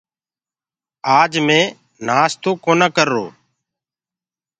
آج مينٚ نآستو ڪونآ ڪرو۔